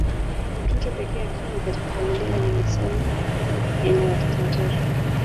Ni mtoto pekee ya kiume katika familia ya mzee Salum yenye watoto watatu